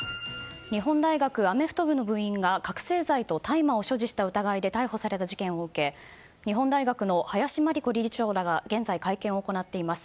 日本大学アメフト部の部員が覚醒剤と大麻を所持した疑いで逮捕された事件を受け日本大学の林真理子理事長らが現在、会見を行っています。